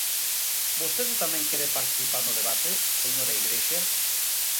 ¿Vostede tamén quere participar no debate, señora Igrexa?